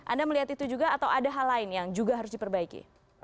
anda melihat itu juga atau ada hal lain yang juga harus diperbaiki